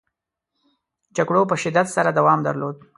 جګړو په شدت سره دوام درلوده.